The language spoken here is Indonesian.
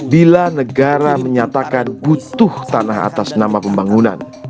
bila negara menyatakan butuh tanah atas nama pembangunan